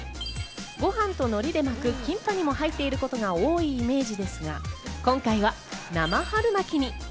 ご飯と海苔で巻くキンパにも入っていることが多いイメージですが、今回は生春巻きに。